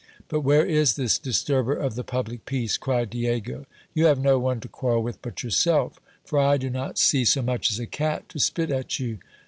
But where is this disturber of the public peace? cried Diego. You have no one to quarrel 372 GIL BLAS. with but yourself ; for I do not see so much as a cat to spit at you.